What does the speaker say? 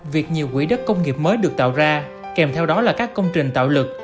việc nhiều quỹ đất công nghiệp mới được tạo ra kèm theo đó là các công trình tạo lực